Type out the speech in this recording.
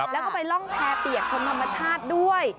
แล้วก็ไปร่องแพรเปียกชมธรรมชาติด้วย